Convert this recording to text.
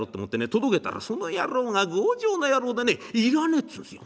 届けたらその野郎が強情な野郎でね要らねえっつんすよ。